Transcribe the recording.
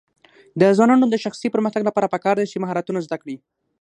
د ځوانانو د شخصي پرمختګ لپاره پکار ده چې مهارتونه زده کړي.